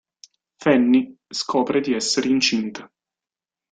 Fanny scopre di essere incinta.